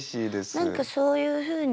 何かそういうふうに。